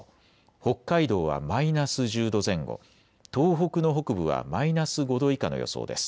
北海道はマイナス１０度前後、東北の北部はマイナス５度以下の予想です。